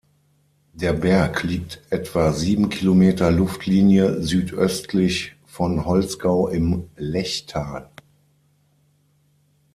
Der Berg liegt etwa sieben Kilometer Luftlinie südöstlich von Holzgau im Lechtal.